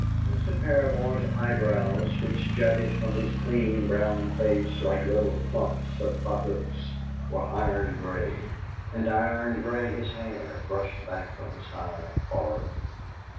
Mr. Paramor's eyebrows, which jutted from his clean, brown face like little clumps of pothooks, were iron grey, and iron grey his hair brushed back from his high forehead.